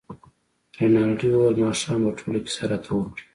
رینالډي وویل ماښام به ټوله کیسه راته وکړې.